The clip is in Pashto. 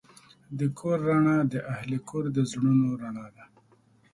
د کور رڼا د اهلِ کور د زړونو رڼا ده.